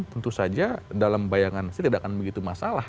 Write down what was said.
tentu saja dalam bayangan saya tidak akan begitu masalah